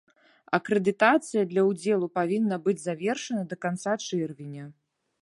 Акрэдытацыя для ўдзелу павінна быць завершана да канца чэрвеня.